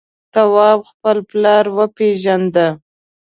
تواب خپل پلار وپېژند.